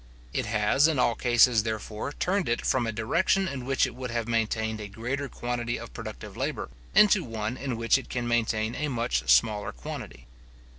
It has, in all cases, therefore, turned it from a direction in which it would have maintained a greater quantity of productive labour, into one in which it can maintain a much smaller quantity.